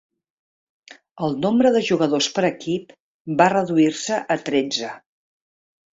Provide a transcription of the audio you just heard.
El nombre de jugadors per equip va reduir-se a tretze.